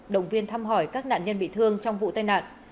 động viên thăm hỏi các nạn nhân bị thương trong vụ tai nạn